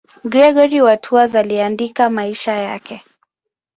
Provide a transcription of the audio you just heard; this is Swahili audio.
Gregori wa Tours aliandika maisha yake.